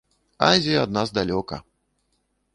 Азія ад нас далёка!